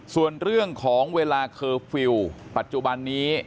ส่วนเรื่องของเวลาเคอร์ฟิลล์ปัจจุบันนี้